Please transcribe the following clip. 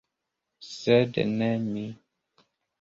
Sed ne mi.